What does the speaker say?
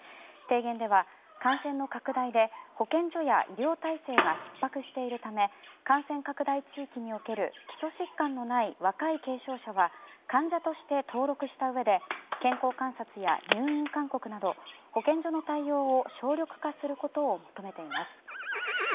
提言では感染の拡大で保健所や医療体制がひっ迫しているため感染拡大地域における基礎疾患のない若い軽症者は患者として登録したうえで健康観察や入院勧告など保健所の対応を省力化することを求めています。